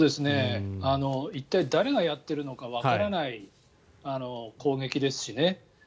一体、誰がやっているのかわからない攻撃ですしね。